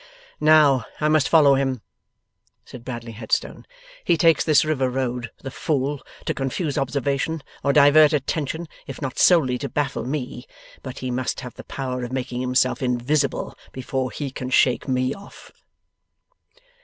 'Now, I must follow him,' said Bradley Headstone. 'He takes this river road the fool! to confuse observation, or divert attention, if not solely to baffle me. But he must have the power of making himself invisible before he can shake Me off.